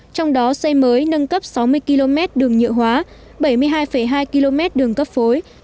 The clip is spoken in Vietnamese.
trong đó xây mới nâng cấp sáu mươi km đường nhựa hóa bảy mươi hai hai km đường cấp phối